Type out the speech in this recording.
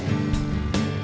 nggak ada uang nggak ada uang